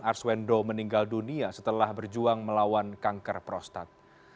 arswendo meninggal dunia setelah berjuang melawan kanker prostat